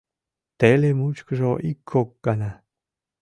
Теле мучкыжо ик-кок гана.